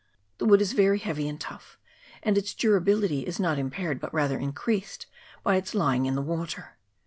The wood is very heavy and tough, and its durability is not impaired, but rather increased, by its lying in the water.